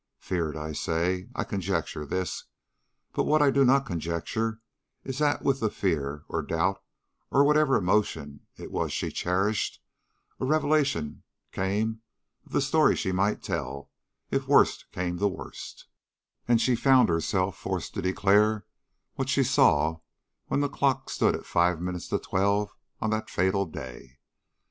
Feared, I say I conjecture this, but what I do not conjecture is that with the fear, or doubt, or whatever emotion it was she cherished, a revelation came of the story she might tell if worst came to worst, and she found herself forced to declare what she saw when the clock stood at five minutes to twelve on that fatal day.